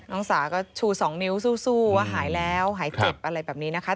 สาก็ชู๒นิ้วสู้ว่าหายแล้วหายเจ็บอะไรแบบนี้นะคะ